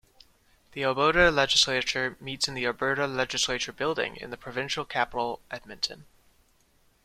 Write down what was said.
The Alberta legislature meets in the Alberta Legislature Building in the provincial capital, Edmonton.